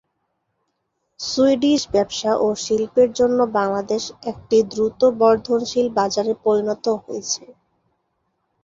Swedish ব্যবসা ও শিল্পের জন্য বাংলাদেশ একটি দ্রুত বর্ধনশীল বাজারে পরিণত হয়েছে।